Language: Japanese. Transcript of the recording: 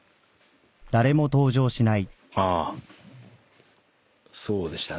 あそうでしたね。